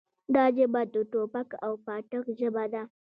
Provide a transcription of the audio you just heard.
دا ژبه د ټوپک او پاټک ژبه ده.